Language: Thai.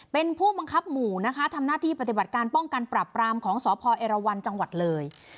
เป็นผู้บังคับหมู่นะคะทำหน้าที่ปฏิบัติการป้องกันปรับปรามของสพเอรวันจังหวัดเลย